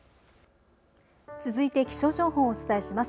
続いて気象情報をお伝えします。